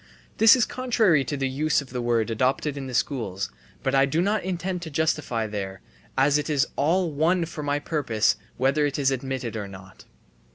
This is contrary to the use of the word adopted in the schools; but I do not intend to justify there, as it is all one for my purpose whether it is admitted or not.